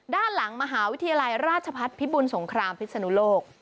ด้านหลังมหาวิทยาลัยราชพัฒน์พิบุญสงครามพิศนุโลก